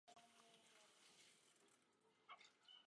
常见副作用包含恶心和昏睡。